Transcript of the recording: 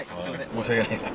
申し訳ないです。